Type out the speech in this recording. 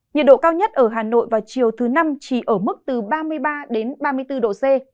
nhiệt độ cao nhất ở hà nội vào chiều thứ năm chỉ ở mức từ ba mươi ba đến ba mươi bốn độ c